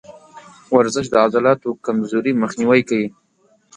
ورزش د عضلاتو کمزوري مخنیوی کوي.